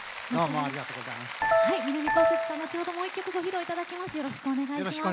もう一曲ご披露いただきます。